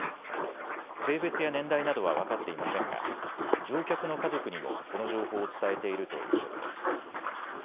性別や年代などは分かっていませんが乗客の家族にもこの情報を伝えているということです。